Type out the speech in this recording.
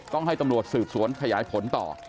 ต้องให้ตำรวจสืบสวนขยายผลต่อ